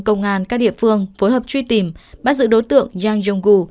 công an các địa phương phối hợp truy tìm bắt giữ đối tượng giang jong gu